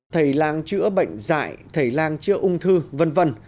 thầy lang chữa bệnh dạy thầy lang chữa ung thư v v